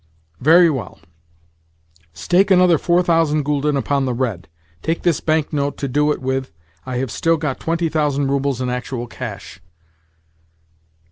"Very well. Stake another four thousand gülden upon the red. Take this banknote to do it with. I have still got twenty thousand roubles in actual cash."